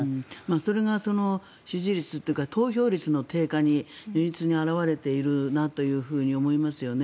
それが支持率というか投票率の低下に如実に表れているなと思いますよね。